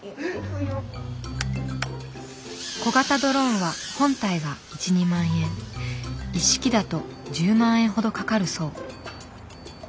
小型ドローンは本体が１２万円一式だと１０万円ほどかかるそう。